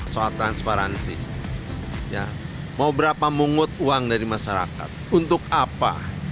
soal transparansi mau berapa mungut uang dari masyarakat untuk apa